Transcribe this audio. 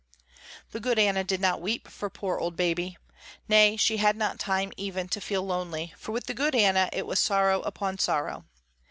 The good Anna did not weep for poor old Baby. Nay, she had not time even to feel lonely, for with the good Anna it was sorrow upon sorrow.